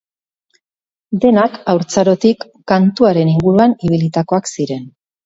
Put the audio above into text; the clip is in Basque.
Denak haurtzarotik kantuaren inguruan ibilitakoak ziren.